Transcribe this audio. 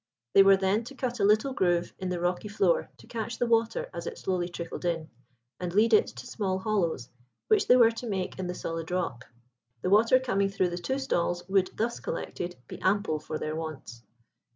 They were then to cut a little groove in the rocky floor to catch the water as it slowly trickled in, and lead it to small hollows which they were to make in the solid rock. The water coming through the two stalls would, thus collected, be ample for their wants.